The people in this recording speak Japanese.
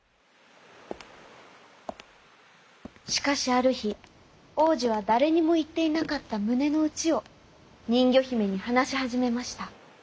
しかしあるひおうじはだれにもいっていなかったむねのうちをにんぎょひめにはなしはじめました。